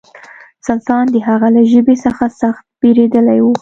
سلطان د هغه له ژبې څخه سخت بېرېدلی و.